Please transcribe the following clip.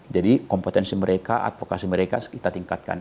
jadi kompetensi mereka advokasi mereka kita tingkatkan